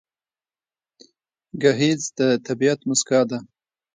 سهار د طبیعت موسکا ده.